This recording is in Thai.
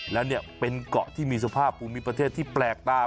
แล้วเนี่ยเป็นเกาะที่มีสภาพภูมิประเทศที่แปลกตา